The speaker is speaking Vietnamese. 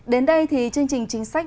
đến đây thì chương trình chính sách